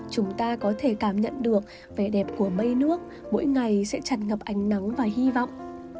chúng ta có thể cảm nhận được vẻ đẹp của mây nước mỗi ngày sẽ chặt ngập ảnh nắng và hy vọng